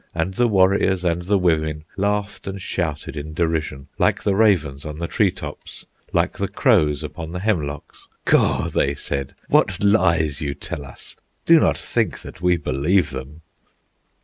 And the warriors and the women Laughed and shouted in derision, Like the ravens on the tree tops, Like the crows upon the hemlocks. "Kaw!" they said, "what lies you tell us! Do not think that we believe them!"